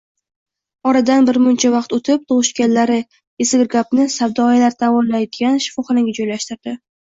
Oradan birmuncha vaqt o‘tib, tug‘ishganlari Esirgapni savdoyilar davolanadigan shifoxonaga joylashtirdi